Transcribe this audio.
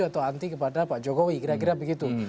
atau anti kepada pak jokowi kira kira begitu